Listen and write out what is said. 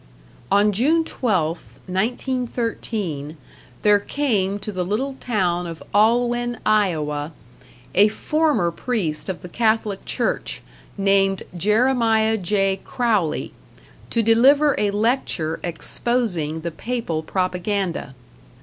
On June 12th, 1913, there came to the little town of Oelwein, Iowa, a former priest of the Catholic Church, named Jeremiah J. Crowley, to deliver a lecture exposing the Papal propaganda.